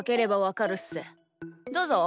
どうぞ。